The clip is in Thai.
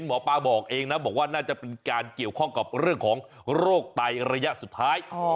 หมอปลาบอกเองนะบอกว่าน่าจะเป็นการเกี่ยวข้องกับเรื่องของโรคไตระยะสุดท้าย